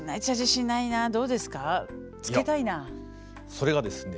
それがですね